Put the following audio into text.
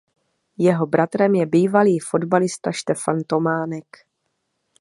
Jeho bratrem je bývalý fotbalista Štefan Tománek.